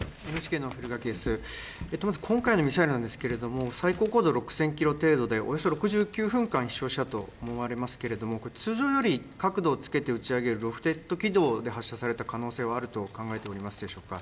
今回のミサイルなんですけれども、最高高度６０００キロ程度でおよそ６９分間飛しょうしたと思われますけれども、通常より角度をつけて打ち上げるロフテッド軌道で発射された可能性はあると考えておりますでしょうか。